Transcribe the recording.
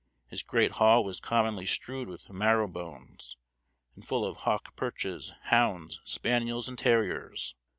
His great hall was commonly strewed with marrow bones, and full of hawk perches, hounds, spaniels, and terriers.